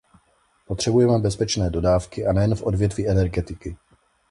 Potřebujeme bezpečné dodávky, a nejen v odvětví energetiky.